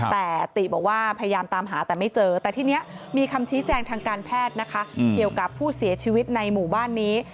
แต่ติบอกว่าพยายามตามหาแต่ไม่เจอแต่ทีนี้มีคำชี้แจงทางการแพทย์นะคะเกี่ยวกับผู้เสียชีวิตในหมู่บ้านนี้